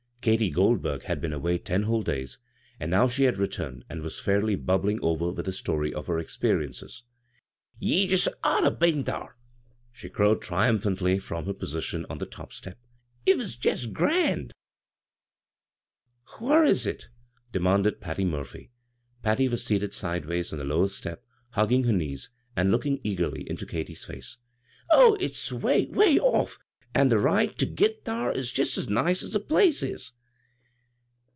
Katy Goldberg had been away ten whole days, and now she liad returned and was fairly bubbling over with the story of her exp^ences. " Ye jest oughter been thar," she crowed triumphantly, from her position on the top step. " It was jest grand I "" Whar is it ?" demanded Patty Murphy. Patty was seated sideways on the lowest step, hugging her knees, and looking eagerly into Katy's faxx. " Oh, it's 'way, 'way off, an' the ride ter ■ git thar Is jest as nice as the place is."